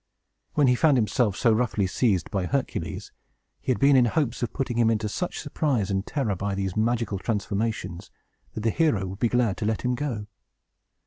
When he found himself so roughly seized by Hercules, he had been in hopes of putting him into such surprise and terror, by these magical transformations, that the hero would be glad to let him go.